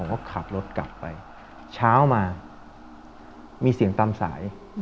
ก็ขับรถกลับไปเช้ามามีเสียงตามสาย